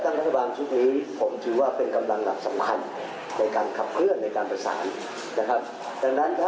ในหลายภาพนะครับ